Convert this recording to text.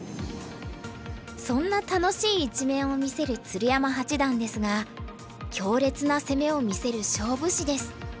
そんな楽しい一面を見せる鶴山八段ですが強烈な攻めを見せる勝負師です。